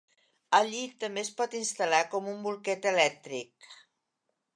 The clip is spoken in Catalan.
El llit també es pot instal·lar com un bolquet elèctric.